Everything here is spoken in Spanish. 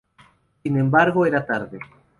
Sin embargo era tarde.